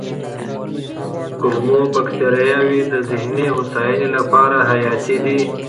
کولمو بکتریاوې د ذهني هوساینې لپاره حیاتي دي.